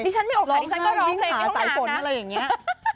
ดิฉันมีอกหักดิฉันก็ร้องเพลงในห้องน้ำนะ